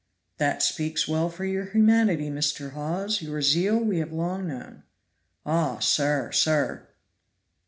"That speaks well for your humanity, Mr. Hawes; your zeal we have long known." "Augh, sir! sir!"